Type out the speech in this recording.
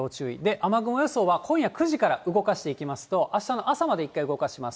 雨雲予想は今夜９時から動かしていきますと、あしたの朝まで一回動かします。